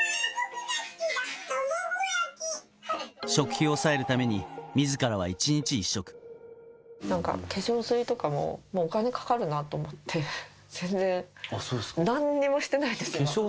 食費を抑えるために、みずかなんか化粧水とかも、もうお金かかるなと思って、全然、化粧水もしてないんですか？